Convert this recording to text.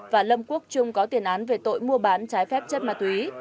và lâm quốc trung có tiền án về tội mua bán trái phép chất ma túy